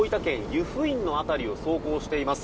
湯布院の辺りを走行しています。